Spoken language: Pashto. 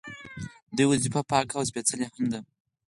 دوی وظیفه پاکه او سپیڅلې هم ده.